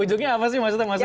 ujungnya apa sih maksudnya